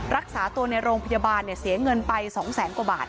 รักษาตัวในโรงพยาบาลเสียเงินไป๒แสนกว่าบาท